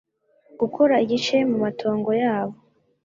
gukora igice mu matongo yabo